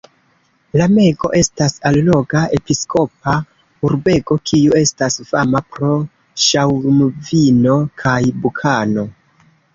Lamego estas alloga episkopa urbego, kiu estas fama pro ŝaŭmvino kaj bukano.